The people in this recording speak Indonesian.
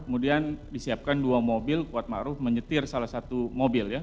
kemudian disiapkan dua mobil km menyetir salah satu mobil ya